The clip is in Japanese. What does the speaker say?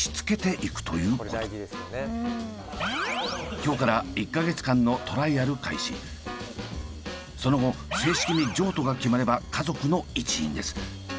今日からその後正式に譲渡が決まれば家族の一員です。